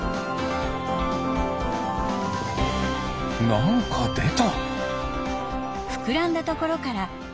なんかでた。